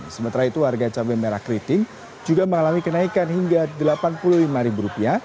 sementara itu harga cabai merah keriting juga mengalami kenaikan hingga rp delapan puluh lima